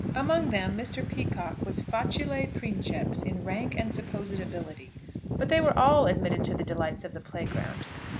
Among them Mr. Peacocke was facile princeps in rank and supposed ability; but they were all admitted to the delights of the playground.